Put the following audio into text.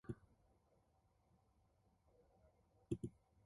He later entered the Knesset and held various ministerial portfolios.